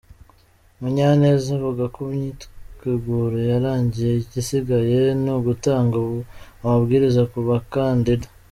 Munyaneza avuga ko imyiteguro yarangiye, igisigaye ni ugutanga amabwiriza ku bakandida.